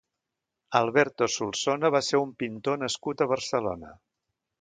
Alberto Solsona va ser un pintor nascut a Barcelona.